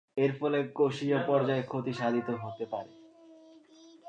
এর ফলে কোষীয় পর্যায়ে ক্ষতি সাধিত হতে পারে।